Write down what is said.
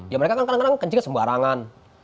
ya mereka kan kadang kadang kencingnya sembarangan